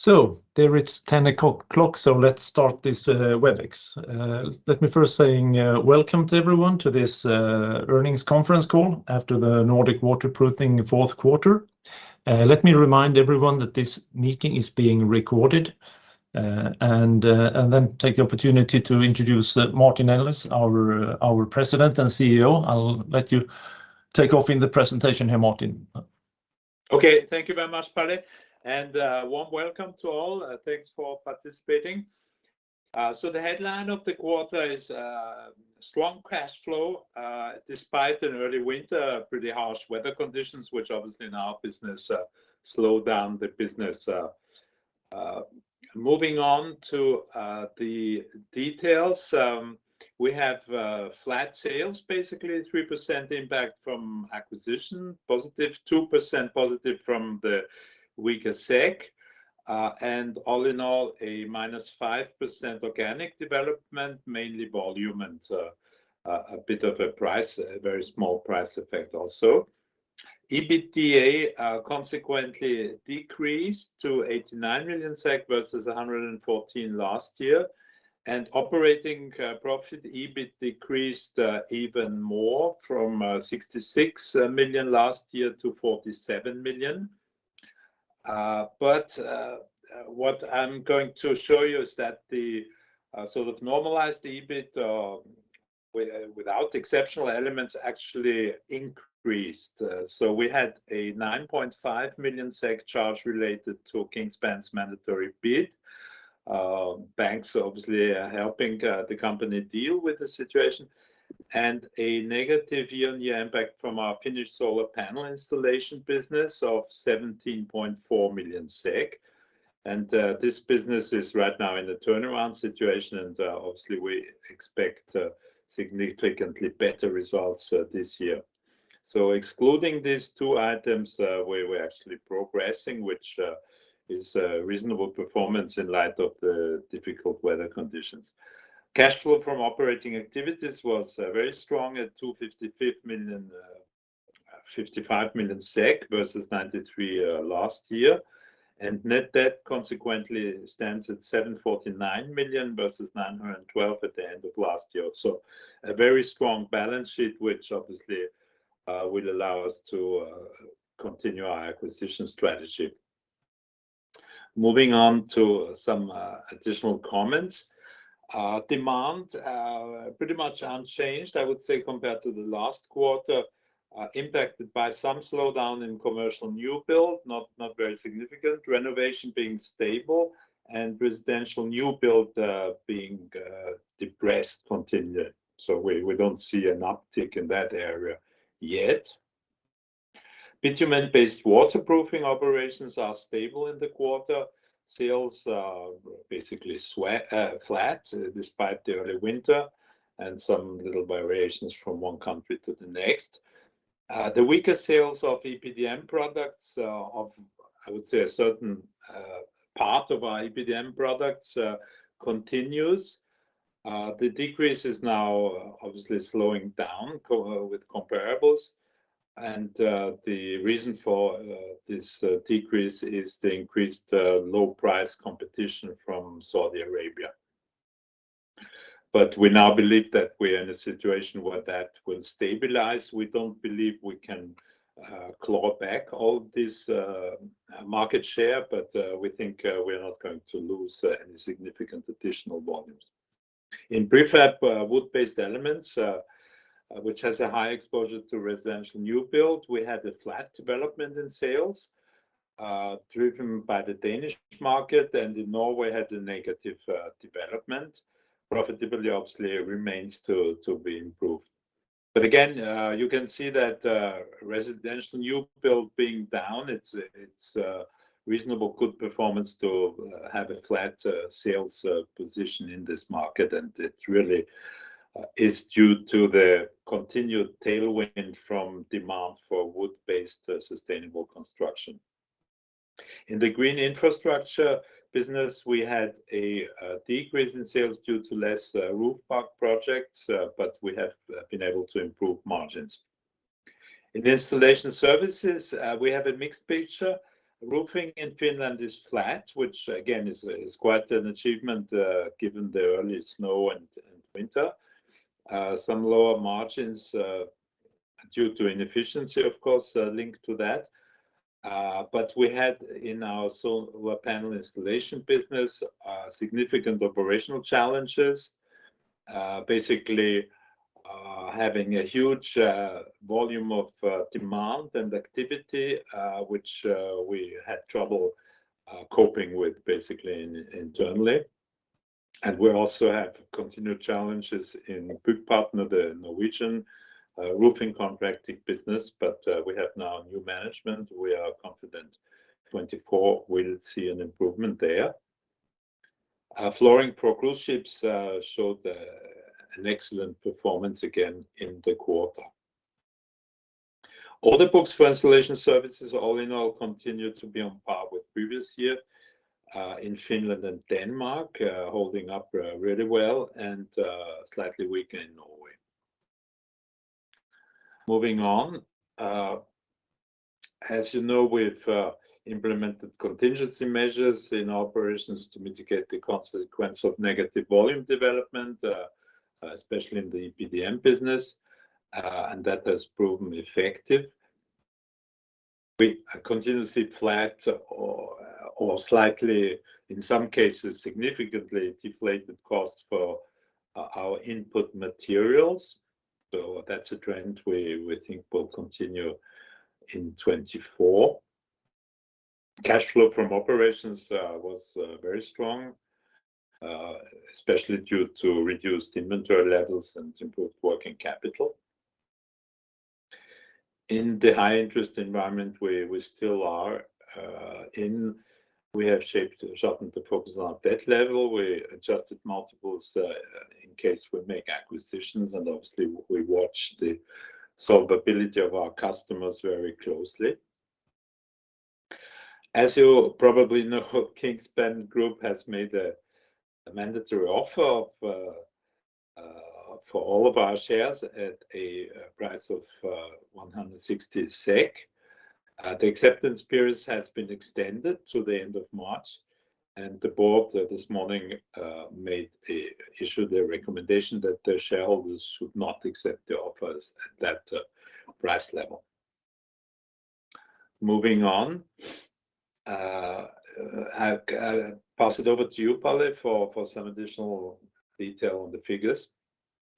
So, it's 10:00, so let's start this WebEx. Let me first say welcome to everyone to this earnings conference call after the Nordic Waterproofing fourth quarter. Let me remind everyone that this meeting is being recorded, and then take the opportunity to introduce Martin Ellis, our President and CEO. I'll let you take over in the presentation here, Martin. Okay. Thank you very much, Palle, and warm welcome to all. Thanks for participating. So the headline of the quarter is strong cash flow despite an early winter, pretty harsh weather conditions, which obviously in our business slowed down the business. Moving on to the details. We have flat sales, basically 3% impact from acquisition positive, 2% positive from the weaker SEK, and all in all, a -5% organic development, mainly volume and a bit of a price, a very small price effect also. EBITDA consequently decreased to 89 million SEK versus 114 million SEK last year, and operating profit, EBIT decreased even more from 66 million last year to 47 million. But what I'm going to show you is that the sort of normalized EBIT without exceptional elements actually increased. So we had a 9.5 million SEK charge related to Kingspan's mandatory bid. Banks obviously are helping the company deal with the situation and a negative year-on-year impact from our Finnish solar panel installation business of 17.4 million SEK. And this business is right now in a turnaround situation, and obviously, we expect significantly better results this year. So excluding these two items, we were actually progressing, which is a reasonable performance in light of the difficult weather conditions. Cash flow from operating activities was very strong at 255 million SEK versus 93 million last year, and net debt consequently stands at 749 million versus 912 million at the end of last year. So a very strong balance sheet, which obviously will allow us to continue our acquisition strategy. Moving on to some additional comments. Demand pretty much unchanged, I would say, compared to the last quarter, impacted by some slowdown in commercial new build, not, not very significant, renovation being stable and residential new build being depressed continued, so we, we don't see an uptick in that area yet. Bitumen-based waterproofing operations are stable in the quarter. Sales are basically flat, despite the early winter and some little variations from one country to the next. The weaker sales of EPDM products, of, I would say, a certain part of our EPDM products, continues. The decrease is now obviously slowing down compared with comparables, and the reason for this decrease is the increased low price competition from Saudi Arabia. But we now believe that we are in a situation where that will stabilize. We don't believe we can claw back all this market share, but we think we are not going to lose any significant additional volumes. In prefab wood-based elements, which has a high exposure to residential new build, we had a flat development in sales, driven by the Danish market, and in Norway had a negative development. Profitability obviously remains to be improved, but again, you can see that residential new build being down, it's a reasonably good performance to have a flat sales position in this market, and it really is due to the continued tailwind from demand for wood-based sustainable construction. In the green infrastructure business, we had a decrease in sales due to less rooftop projects, but we have been able to improve margins. In installation services, we have a mixed picture. Roofing in Finland is flat, which again is quite an achievement given the early snow and winter. Some lower margins due to inefficiency, of course, linked to that. But we had in our solar panel installation business significant operational challenges, basically having a huge volume of demand and activity, which we had trouble coping with basically internally. And we also have continued challenges in Byggpartner, the Norwegian roofing contracting business. But we have now a new management. We are confident 2024 will see an improvement there. Flooring for Cruise Ships showed an excellent performance again in the quarter. Order books for installation services, all in all, continued to be on par with previous year in Finland and Denmark, holding up really well and slightly weaker in Norway. Moving on, as you know, we've implemented contingency measures in our operations to mitigate the consequence of negative volume development, especially in the EPDM business, and that has proven effective. We are continuously flat or slightly, in some cases, significantly deflated costs for our input materials. So that's a trend we think will continue in 2024. Cash flow from operations was very strong, especially due to reduced inventory levels and improved working capital. In the high interest environment, we still are, we have sharpened the focus on our debt level. We adjusted multiples, in case we make acquisitions, and obviously, we watch the solvency of our customers very closely. As you probably know, Kingspan Group has made a mandatory offer for all of our shares at a price of 160 SEK. The acceptance period has been extended to the end of March, and the board this morning issued a recommendation that the shareholders should not accept the offers at that price level. Moving on, I pass it over to you, Palle, for some additional detail on the figures.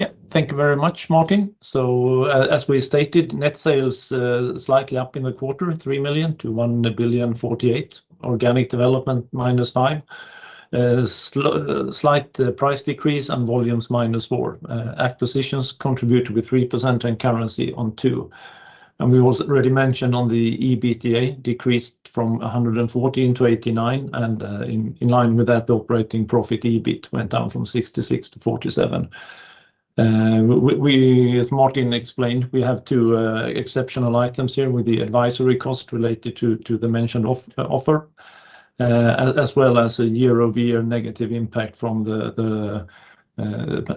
Yeah. Thank you very much, Martin. So as we stated, net sales slightly up in the quarter, 3 million to 1,048 million, organic development -5%. Slight price decrease and volumes -4%. Acquisitions contributed with 3% and currency 2%. And we also already mentioned the EBITDA decreased from 114 to 89, and in line with that, the operating profit, EBIT, went down from 66 to 47. As Martin explained, we have two exceptional items here with the advisory cost related to the mentioned offer as well as a year-over-year negative impact from the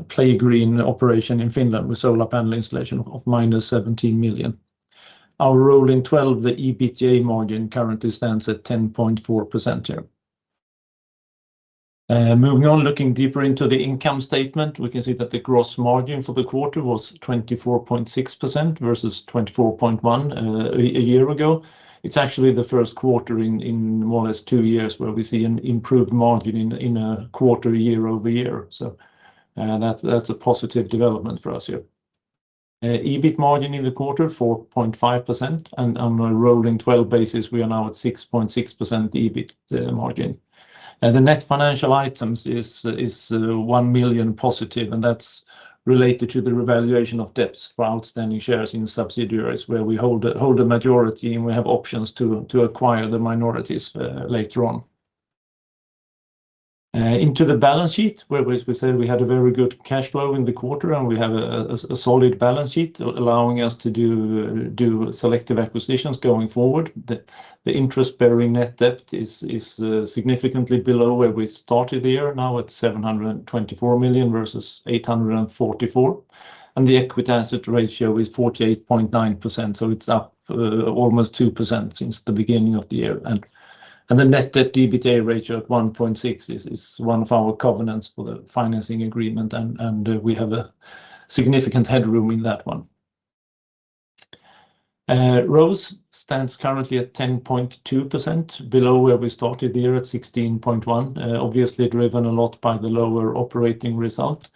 Playgreen operation in Finland, with solar panel installation of -17 million. Our rolling twelve, the EBITDA margin currently stands at 10.4% here. Moving on, looking deeper into the income statement, we can see that the gross margin for the quarter was 24.6% versus 24.1%, a year ago. It's actually the first quarter in more or less two years, where we see an improved margin in a quarter, year-over-year. So, that's a positive development for us here. EBIT margin in the quarter, 4.5%, and on a rolling twelve basis, we are now at 6.6% EBIT margin. And the net financial items is 1 million positive, and that's related to the revaluation of debts for outstanding shares in subsidiaries, where we hold a majority, and we have options to acquire the minorities, later on. Into the balance sheet, where, as we said, we had a very good cash flow in the quarter, and we have a solid balance sheet, allowing us to do selective acquisitions going forward. The interest-bearing net debt is significantly below where we started the year, now at 724 million versus 844 million, and the equity asset ratio is 48.9%. So it's up almost 2% since the beginning of the year. The net debt EBITDA ratio at 1.6 is one of our covenants for the financing agreement, and we have a significant headroom in that one. ROCE stands currently at 10.2%, below where we started the year at 16.1%, obviously driven a lot by the lower operating result.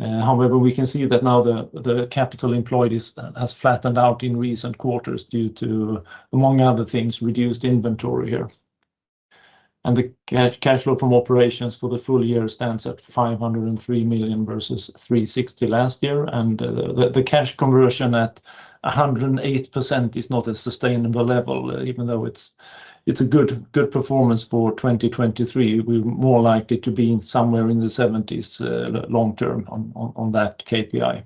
However, we can see that now the capital employed has flattened out in recent quarters due to, among other things, reduced inventory here. The cash flow from operations for the full year stands at 503 million versus 360 million last year, and the cash conversion at 108% is not a sustainable level, even though it's a good performance for 2023. We're more likely to be somewhere in the 70s long term on that KPI.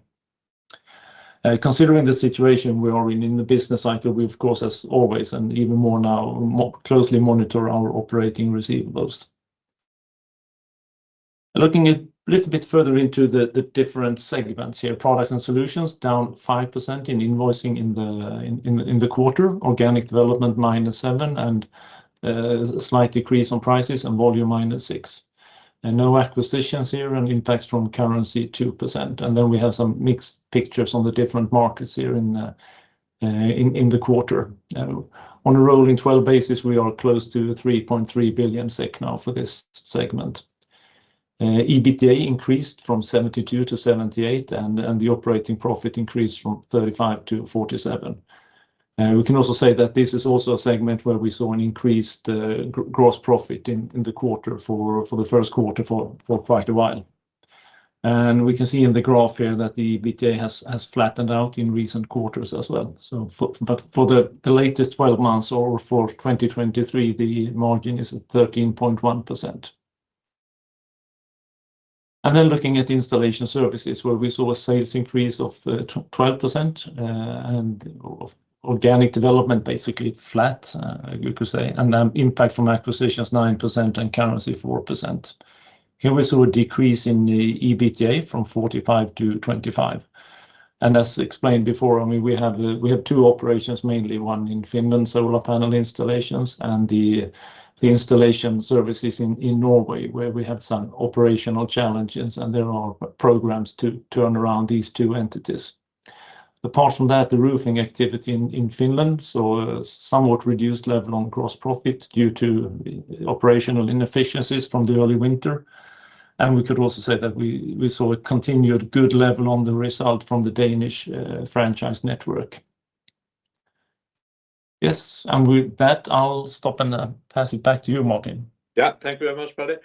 Considering the situation we are in in the business cycle, we, of course, as always, and even more now, more closely monitor our operating receivables. Looking a little bit further into the different segments here, products and solutions down 5% in invoicing in the quarter. Organic development -7%, and a slight decrease on prices and volume -6%. No acquisitions here and impacts from currency 2%. Then we have some mixed pictures on the different markets here in the quarter. On a rolling twelve basis, we are close to 3.3 billion now for this segment. EBITDA increased from 72 to 78, and the operating profit increased from 35 to 47. We can also say that this is also a segment where we saw an increased gross profit in the quarter for the first quarter for quite a while. We can see in the graph here that the EBITDA has flattened out in recent quarters as well. But for the latest 12 months or for 2023, the margin is at 13.1%. And then looking at installation services, where we saw a sales increase of 12%, and organic development, basically flat, you could say, and then impact from acquisitions, 9% and currency, 4%. Here we saw a decrease in the EBITDA from 45-25. As explained before, I mean, we have two operations, mainly one in Finland, solar panel installations, and the installation services in Norway, where we have some operational challenges, and there are programs to turn around these two entities. Apart from that, the roofing activity in Finland saw a somewhat reduced level on gross profit due to operational inefficiencies from the early winter. We could also say that we saw a continued good level on the result from the Danish franchise network. Yes, and with that, I'll stop and pass it back to you, Martin. Yeah, thank you very much, Palle.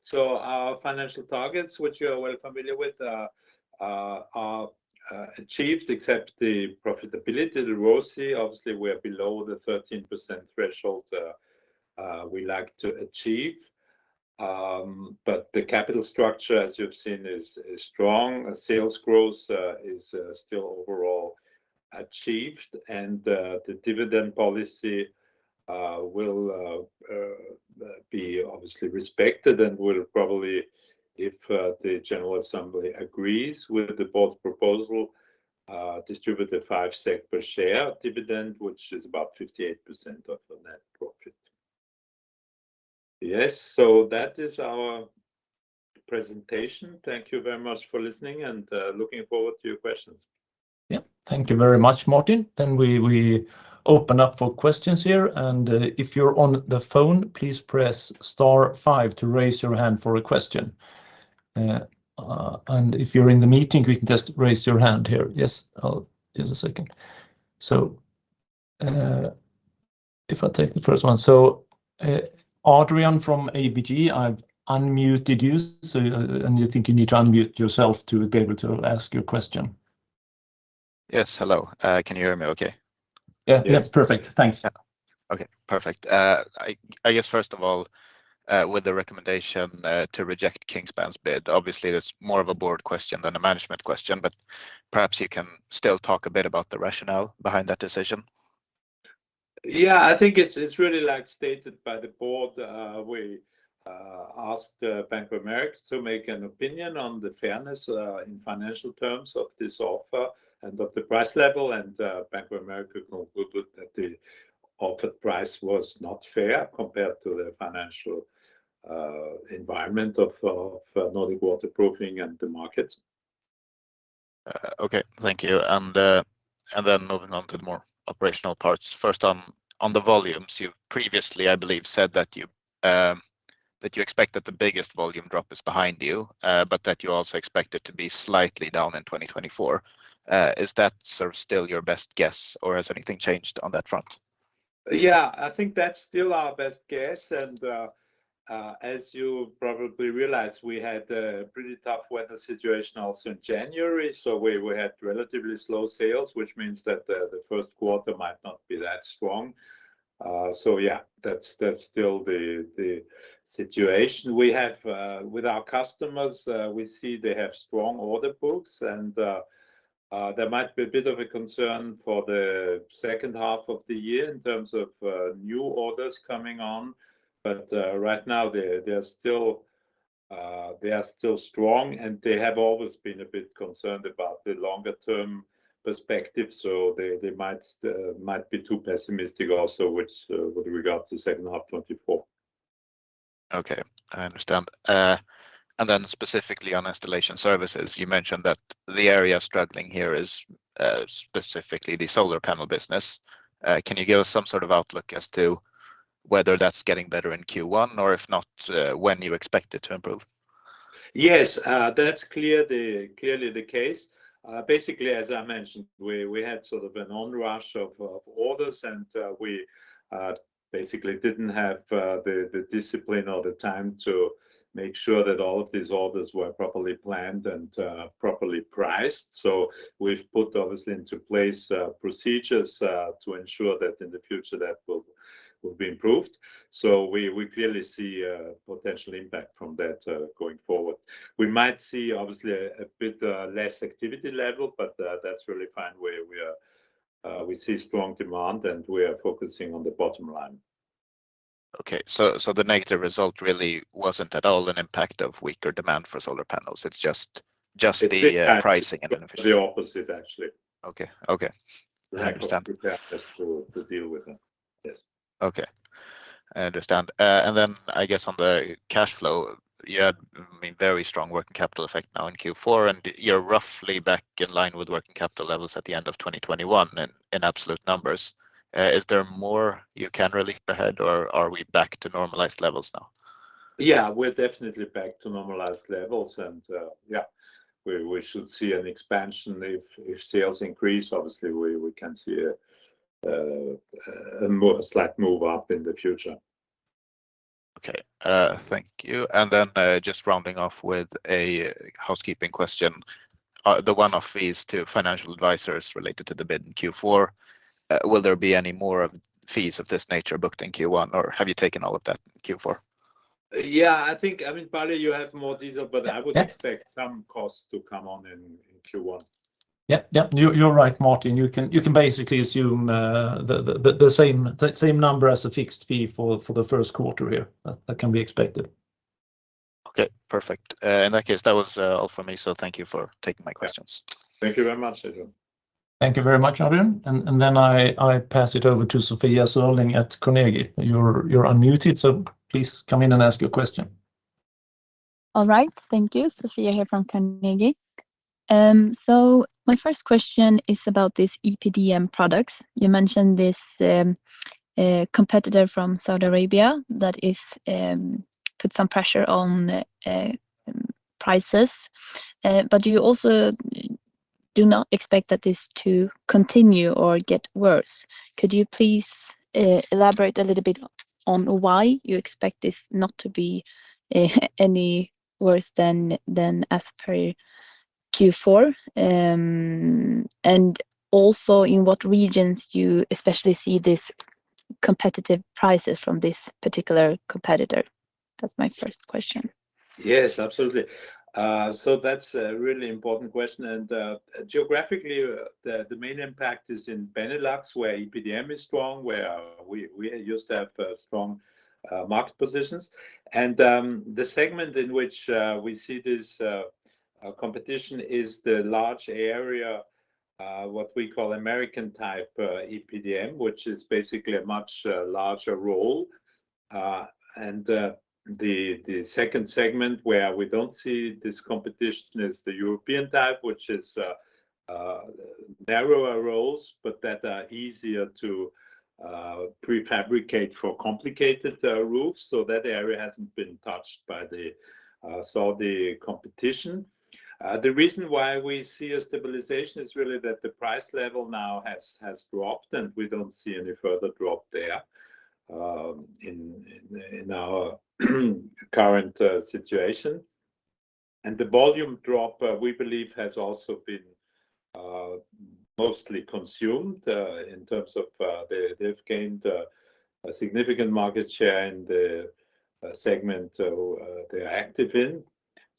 So our financial targets, which you are well familiar with, are achieved, except the profitability, the ROCE, obviously, we are below the 13% threshold, we like to achieve. But the capital structure, as you've seen, is strong. Sales growth is still overall achieved, and the dividend policy will be obviously respected and will probably, if the general assembly agrees with the board's proposal, distribute the SEK 5per share dividend, which is about 58% of the net profit. Yes, so that is our presentation. Thank you very much for listening, and looking forward to your questions. Yeah. Thank you very much, Martin. Then we open up for questions here, and if you're on the phone, please press star five to raise your hand for a question. And if you're in the meeting, you can just raise your hand here. Yes, I'll... Just a second. So, if I take the first one, so, Adrian from ABG, I've unmuted you, so, and I think you need to unmute yourself to be able to ask your question. Yes, hello. Can you hear me okay? Yeah. Yes. Perfect. Thanks. Yeah. Okay, perfect. I guess first of all, with the recommendation to reject Kingspan's bid, obviously that's more of a board question than a management question, but perhaps you can still talk a bit about the rationale behind that decision. Yeah, I think it's really like stated by the board. We asked Bank of America to make an opinion on the fairness in financial terms of this offer and of the price level, and Bank of America concluded that the offer price was not fair compared to the financial environment of Nordic Waterproofing and the markets. Okay. Thank you. And then moving on to the more operational parts. First, on the volumes, you've previously, I believe, said that you, that you expect that the biggest volume drop is behind you, but that you also expect it to be slightly down in 2024. Is that sort of still your best guess, or has anything changed on that front? Yeah, I think that's still our best guess, and as you probably realized, we had a pretty tough weather situation also in January, so we had relatively slow sales, which means that the first quarter might not be that strong. So yeah, that's still the situation. We have with our customers, we see they have strong order books, and there might be a bit of a concern for the second half of the year in terms of new orders coming on, but right now, they're still, they are still strong, and they have always been a bit concerned about the longer-term perspective, so they might be too pessimistic also, which with regards to second half 2024. Okay, I understand. And then specifically on installation services, you mentioned that the area struggling here is specifically the solar panel business. Can you give us some sort of outlook as to whether that's getting better in Q1, or if not, when you expect it to improve? Yes, that's clearly the case. Basically, as I mentioned, we had sort of an onrush of orders, and we basically didn't have the discipline or the time to make sure that all of these orders were properly planned and properly priced. So we've put obviously into place procedures to ensure that in the future, that will be improved. So we clearly see a potential impact from that going forward. We might see obviously a bit less activity level, but that's really fine. We are... We see strong demand, and we are focusing on the bottom line. Okay, so the negative result really wasn't at all an impact of weaker demand for solar panels. It's just the- It's- - pricing and efficiency. The opposite, actually. Okay, okay. I understand. We have to deal with it. Yes. Okay, I understand. And then I guess on the cash flow, you had, I mean, very strong working capital effect now in Q4, and you're roughly back in line with working capital levels at the end of 2021 in absolute numbers. Is there more you can relate ahead, or are we back to normalized levels now? Yeah, we're definitely back to normalized levels, and yeah, we should see an expansion if sales increase. Obviously, we can see a slight move up in the future. Okay, thank you. And then, just rounding off with a housekeeping question. The one-off fees to financial advisors related to the bid in Q4, will there be any more of fees of this nature booked in Q1, or have you taken all of that in Q4? Yeah, I think, I mean, Palle, you have more detail- Yeah... but I would expect some costs to come on in, in Q1. Yep, yep, you're right, Martin. You can basically assume the same number as a fixed fee for the first quarter here. That can be expected.... Okay, perfect. In that case, that was all for me, so thank you for taking my questions. Thank you very much, Adrian. Thank you very much, Adrian. And then I pass it over to Sofia Sörling at Carnegie. You're unmuted, so please come in and ask your question. All right. Thank you. Sofia here from Carnegie. So my first question is about this EPDM product. You mentioned this competitor from Saudi Arabia that is put some pressure on prices. But you also do not expect that this to continue or get worse. Could you please elaborate a little bit on why you expect this not to be any worse than as per Q4? And also in what regions you especially see this competitive prices from this particular competitor? That's my first question. Yes, absolutely. So that's a really important question. And geographically, the main impact is in Benelux, where EPDM is strong, where we used to have strong market positions. And the segment in which we see this competition is the large area, what we call American type EPDM, which is basically a much larger role. And the second segment where we don't see this competition is the European type, which is narrower roles, but that are easier to prefabricate for complicated roofs. So that area hasn't been touched by the Saudi competition. The reason why we see a stabilization is really that the price level now has dropped, and we don't see any further drop there, in our current situation. The volume drop, we believe has also been mostly consumed in terms of, they've gained a significant market share in the segment they're active in.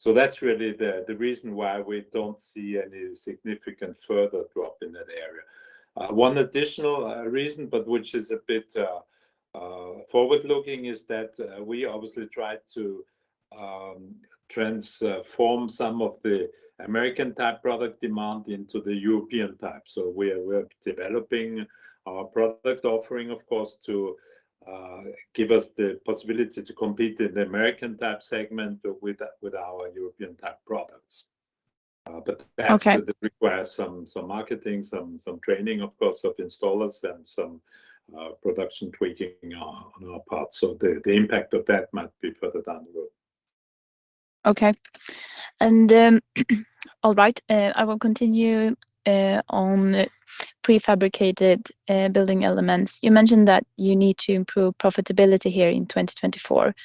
That's really the reason why we don't see any significant further drop in that area. One additional reason, but which is a bit forward-looking, is that we obviously tried to transform some of the American-type product demand into the European type. We are developing our product offering, of course, to give us the possibility to compete in the American type segment with our European-type products. But- Okay... that requires some marketing, some training, of course, of installers and some production tweaking on our part. So the impact of that might be further down the road. Okay. And, all right, I will continue on prefabricated building elements. You mentioned that you need to improve profitability here in 2024.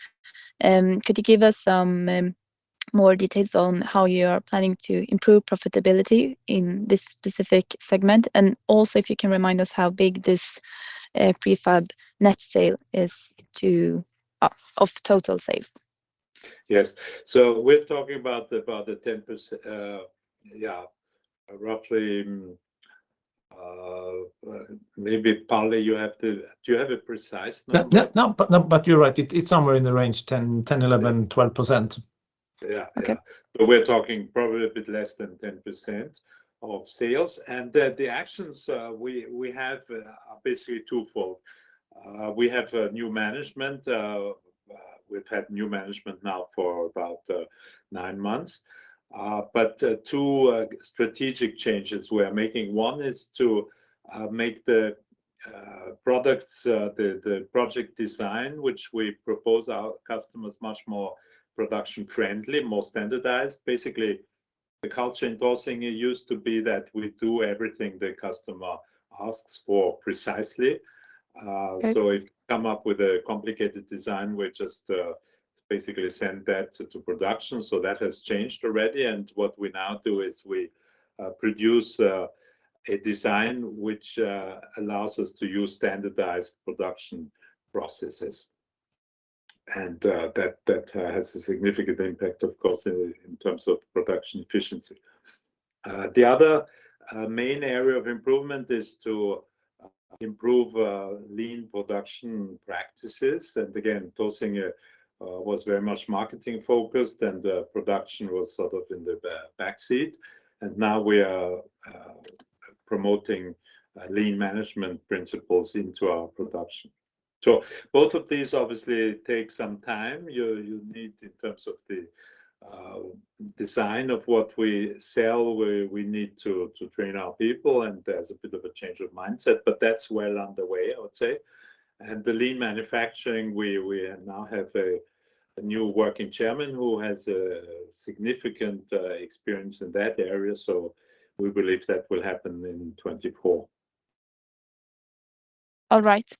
Could you give us some more details on how you are planning to improve profitability in this specific segment? And also, if you can remind us how big this prefab net sale is to of total sale. Yes. So we're talking about the 10%... Yeah, roughly, maybe Palle, do you have a precise number? No, no, but, no, but you're right. It, it's somewhere in the range 10%, 10%, 11%, 12%. Yeah. Okay. But we're talking probably a bit less than 10% of sales. And the actions we have are basically twofold. We have a new management. We've had new management now for about nine months. But two strategic changes we are making, one is to make the products the project design, which we propose our customers much more production-friendly, more standardized. Basically, the culture in Taasinge, it used to be that we do everything the customer asks for precisely. Okay. So if come up with a complicated design, we just basically send that to production. So that has changed already. And what we now do is we produce a design which allows us to use standardized production processes. And that has a significant impact, of course, in terms of production efficiency. The other main area of improvement is to improve lean production practices. And again, Taasinge was very much marketing-focused, and the production was sort of in the backseat. And now we are promoting lean management principles into our production. So both of these obviously take some time. In terms of the design of what we sell, we need to train our people, and there's a bit of a change of mindset, but that's well underway, I would say. And the lean manufacturing, we now have a new working chairman who has significant experience in that area. So we believe that will happen in 2024. All right.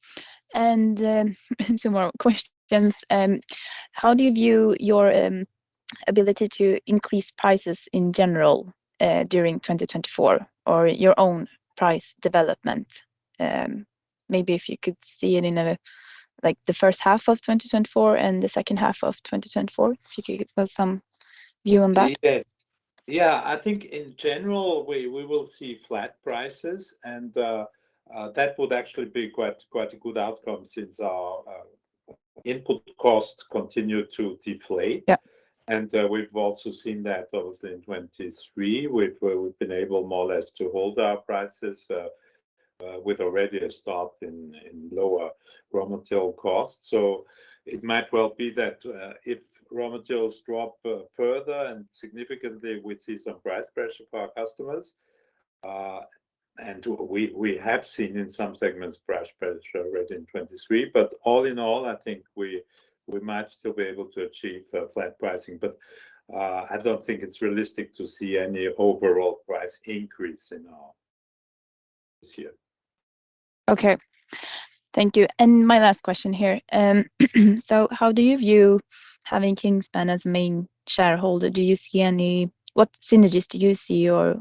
Two more questions. How do you view your ability to increase prices in general, during 2024, or your own price development? Maybe if you could see it in like the first half of 2024 and the second half of 2024, if you could give us some view on that?... Yeah, I think in general, we will see flat prices, and that would actually be quite a good outcome since our input costs continue to deflate. Yeah. We've also seen that obviously in 2023, where we've been able more or less to hold our prices, with already a start in lower raw material costs. So it might well be that, if raw materials drop further and significantly, we'd see some price pressure for our customers. And we have seen in some segments, price pressure already in 2023. But all in all, I think we might still be able to achieve flat pricing, but I don't think it's realistic to see any overall price increase in our this year. Okay. Thank you. And my last question here, so how do you view having Kingspan as a main shareholder? Do you see any..., what synergies do you see or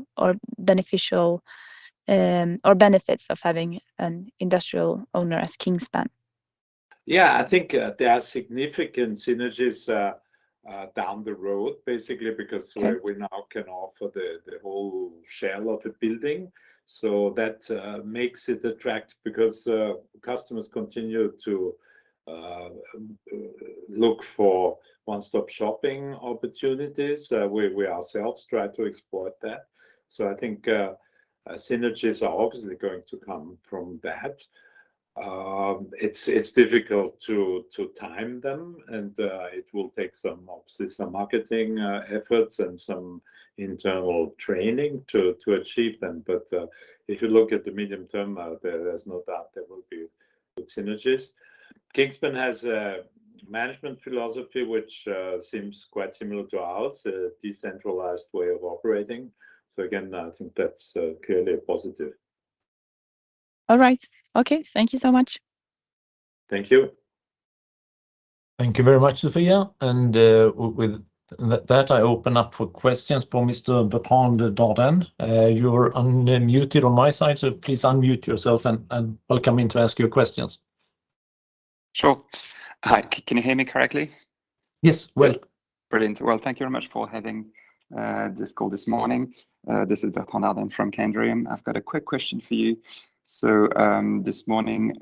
beneficial or benefits of having an industrial owner as Kingspan? Yeah, I think, there are significant synergies, down the road, basically, because- Okay... we now can offer the whole shell of a building. So that makes it attractive because customers continue to look for one-stop shopping opportunities. We ourselves try to exploit that. So I think synergies are obviously going to come from that. It's difficult to time them, and it will take some, obviously, some marketing efforts and some internal training to achieve them. But if you look at the medium term out there, there's no doubt there will be good synergies. Kingspan has a management philosophy, which seems quite similar to ours, a decentralized way of operating. So again, I think that's clearly a positive. All right. Okay. Thank you so much. Thank you. Thank you very much, Sofia. With that, I open up for questions for Mr. Bertrand Dardenne. You're unmuted on my side, so please unmute yourself and welcome in to ask your questions. Sure. Hi, can you hear me correctly? Yes, well. Brilliant. Well, thank you very much for having this call this morning. This is Bertrand Dardenne from Candriam. I've got a quick question for you. So, this morning,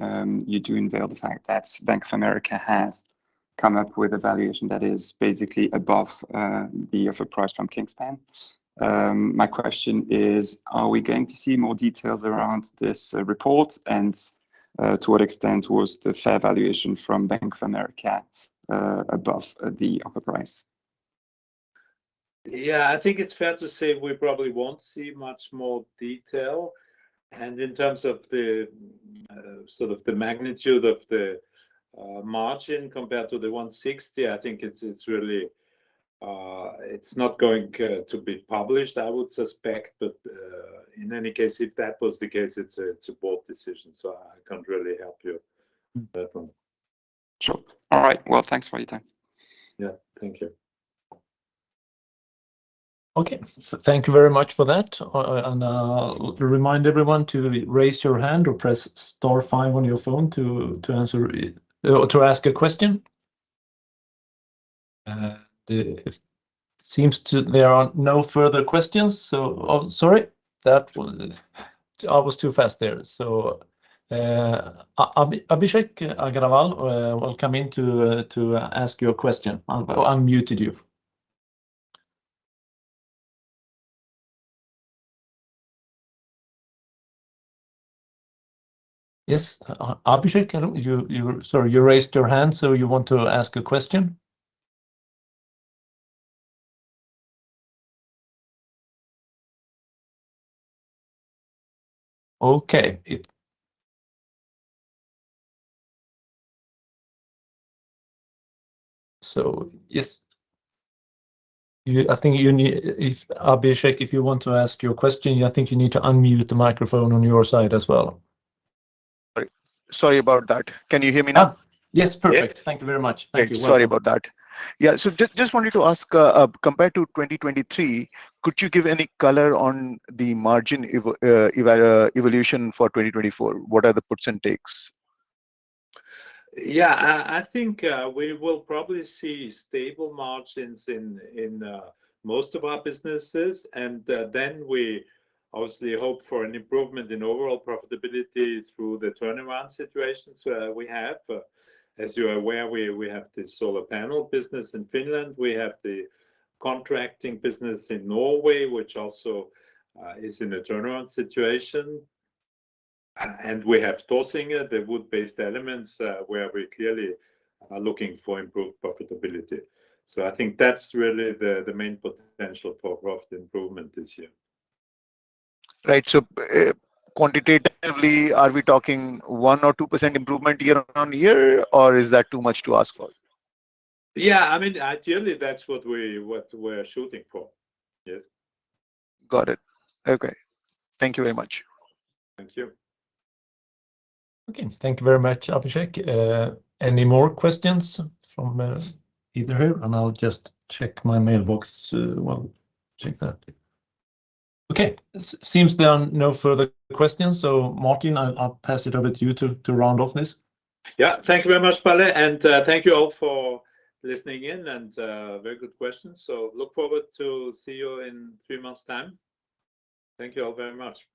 you do unveil the fact that Bank of America has come up with a valuation that is basically above the offer price from Kingspan. My question is, are we going to see more details around this report? And, to what extent was the fair valuation from Bank of America above the offer price? Yeah, I think it's fair to say we probably won't see much more detail. In terms of the, sort of the magnitude of the, margin compared to the 160, I think it's, it's really, it's not going, to be published, I would suspect. In any case, if that was the case, it's a, it's a board decision, so I can't really help you, Bertrand. Sure. All right. Well, thanks for your time. Yeah. Thank you. Okay. Thank you very much for that. And I'll remind everyone to raise your hand or press star five on your phone to answer or to ask a question. It seems that there are no further questions, so... Oh, sorry, that was... I was too fast there. So, Abhishek Agarwal, welcome in to ask you a question. I've unmuted you. Yes, Abhishek, can you... You, sorry, you raised your hand, so you want to ask a question? Okay. So, yes. I think you need, if, Abhishek, if you want to ask your question, I think you need to unmute the microphone on your side as well. Sorry about that. Can you hear me now? Ah, yes. Yes. Perfect. Thank you very much. Thank you. Sorry about that. Yeah. So just wanted to ask, compared to 2023, could you give any color on the margin evolution for 2024? What are the puts and takes? Yeah, I, I think we will probably see stable margins in, in most of our businesses. And then we obviously hope for an improvement in overall profitability through the turnaround situations we have. As you are aware, we, we have the solar panel business in Finland, we have the contracting business in Norway, which also is in a turnaround situation, and we have Taasinge Elementer, the wood-based elements, where we clearly are looking for improved profitability. So I think that's really the, the main potential for profit improvement this year. Right. Quantitatively, are we talking 1% or 2% improvement year-on-year, or is that too much to ask for? Yeah, I mean, ideally, that's what we, what we're shooting for. Yes. Got it. Okay. Thank you very much. Thank you. Okay. Thank you very much, Abhishek. Any more questions from either here? And I'll just check my mailbox, check that. Okay, seems there are no further questions, so Martin, I'll pass it over to you to round off this. Yeah. Thank you very much, Palle, and thank you all for listening in, and very good questions. So look forward to see you in three months' time. Thank you all very much.